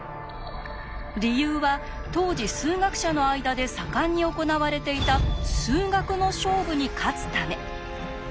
理由は当時数学者の間で盛んに行われていた「数学の勝負」に勝つため。